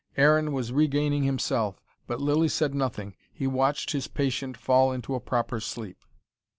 Aaron was regaining himself. But Lilly said nothing. He watched his patient fall into a proper sleep.